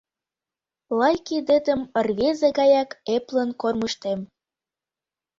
Лай кидетым Рвезе гаяк эплын кормыжтем.